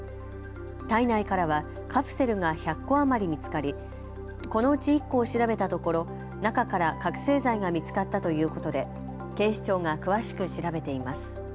体内からはカプセルが１００個余り見つかりこのうち１個を調べたところ中から覚醒剤が見つかったということで警視庁が詳しく調べています。